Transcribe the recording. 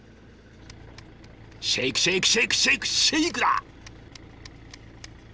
シェイクシェイクシェイクシェイクシェイクだ！